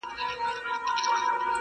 له آمو تر اباسینه دا څپه له کومه راوړو،